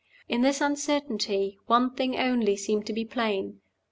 In this uncertainty, one thing only seemed to be plain.